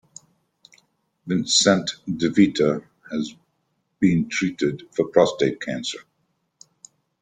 Vincent DeVita has been treated for prostate cancer.